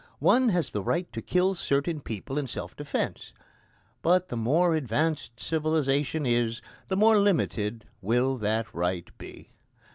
One has the right to kill certain people in self defence. But the more advanced civilisation is, the more limited will that right be.